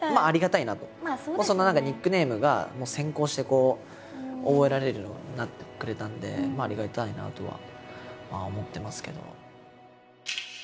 そのニックネームが先行して覚えられるようになってくれたんでありがたいなとは思ってますけど。